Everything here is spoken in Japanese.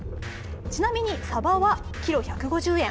ちなみにサバはキロ１５０円